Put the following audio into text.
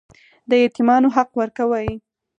د یتیمانو حق ورکوئ؟